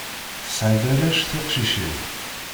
Tesɛa-d arrac tiqcicin.